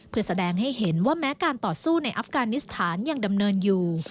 เพื่อแสดงให้เห็นว่าแม้การต่อสู้ในอัฟกานิสถานยังดำเนินอยู่